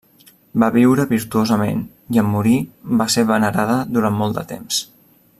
Va viure virtuosament i, en morir, va ser venerada durant molt de temps.